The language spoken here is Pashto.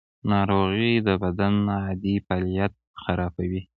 ناروغي د بدن عادي فعالیت خرابوي.